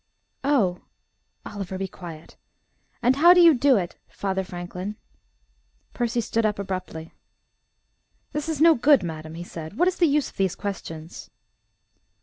"Oh! (Oliver, be quiet.) And how do you do it, Father Franklin?" Percy stood up abruptly. "This is no good, madam," he said. "What is the use of these questions?"